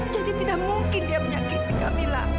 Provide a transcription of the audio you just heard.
jadi tidak mungkin dia menyakiti kamila